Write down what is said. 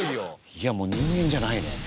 いやもう人間じゃないね。